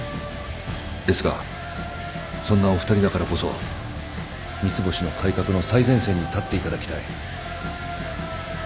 ですがそんなお二人だからこそ三ツ星の改革の最前線に立っていただきたい